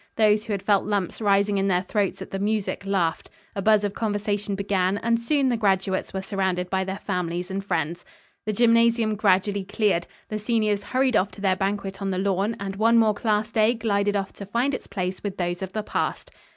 Those who had felt lumps rising in their throats at the music, laughed. A buzz of conversation began, and soon the graduates were surrounded by their families and friends. The gymnasium gradually cleared. The seniors hurried off to their banquet on the lawn and one more class day glided off to find its place with those of the past.